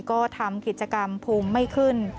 ก็ทำกิจกรรมภูมิไม่ขึ้น